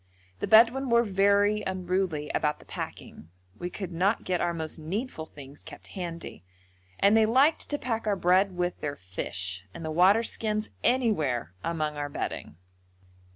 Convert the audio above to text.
The Bedouin were very unruly about the packing. We could not get our most needful things kept handy, and they liked to pack our bread with their fish, and the waterskins anywhere among our bedding.